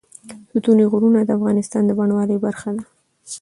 ستوني غرونه د افغانستان د بڼوالۍ برخه ده.